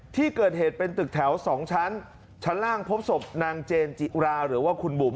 ที่เกิดเหตุเป็นตึกแถว๒ชั้นชั้นล่างพบศพนางเจนจิราหรือว่าคุณบุ๋ม